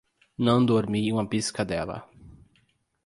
Não dormi uma piscadela